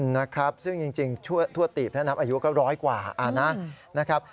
นะครับซึ่งจริงทั่วตีบถ้านับอายุก็ร้อยกว่านะครับ